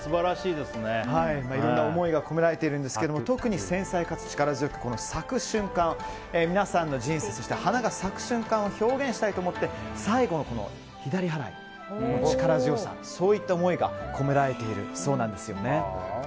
いろいろな思いが込められているんですが特に繊細かつ力強く咲く瞬間皆さんの人生、そして花が咲く瞬間を表現したいと思って最後の左払いに力強さそういった思いが込められているそうなんです。